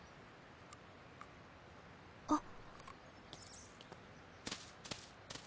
あっ。